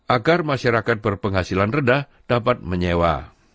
agar masyarakat berpenghasilan rendah dapat menyewa